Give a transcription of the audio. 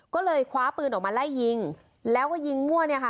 ก็เลยคว้าปืนออกมาไล่ยิงแล้วก็ยิงมั่วเนี่ยค่ะ